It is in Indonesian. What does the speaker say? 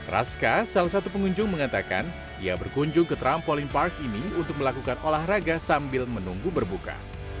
raska salah satu pengunjung mengatakan ia berkunjung ke trampolin park ini untuk melakukan olahraga sambil menunggu berbuka